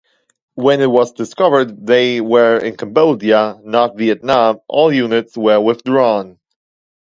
When it was discovered they were in Cambodia, not Vietnam, all units were withdrawn.